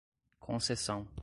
concessão